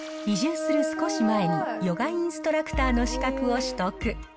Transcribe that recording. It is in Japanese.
移住する少し前に、ヨガインストラクターの資格を取得。